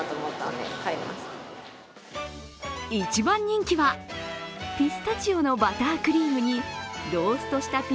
１番人気は、ピスタチオのバタークリームに